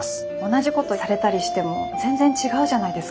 同じことされたりしても全然違うじゃないですか。